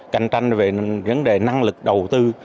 cạnh tranh về vấn đề năng lực đầu tư